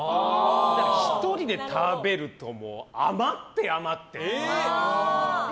１人で食べるともう余って余って。